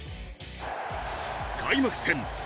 開幕戦。